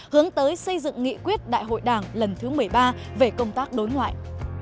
hướng tới xây dựng nghị quyết đại hội đảng lần thứ một mươi ba về công tác đối ngoại